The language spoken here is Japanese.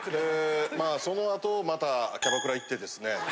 まあそのあとまたキャバクラ行ってですね